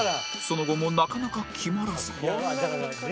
その後もなかなか決まらず